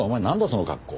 その格好。